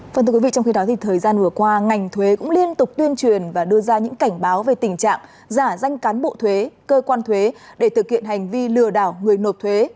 phần thưa quý vị trong khi đó thì thời gian vừa qua ngành thuế cũng liên tục tuyên truyền và đưa ra những cảnh báo về tình trạng giả danh cán bộ thuế cơ quan thuế để thực hiện hành vi lừa đảo người nộp thuế